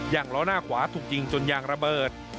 ล้อหน้าขวาถูกยิงจนยางระเบิด